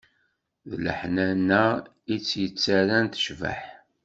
D leḥnana-as i tt-yettarran tecbeḥ.